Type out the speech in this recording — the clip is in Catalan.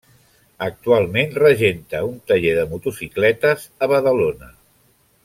Actualment regenta un taller de motocicletes a Badalona.